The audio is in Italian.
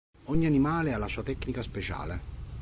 Ogni animale ha la sua tecnica speciale.